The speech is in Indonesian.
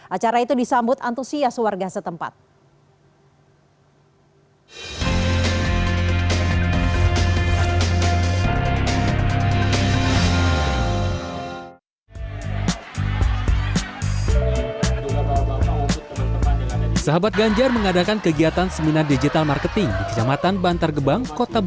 acara itu disambut antusias warga setempat